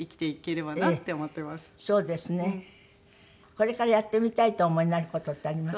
これからやってみたいってお思いになる事ってあります？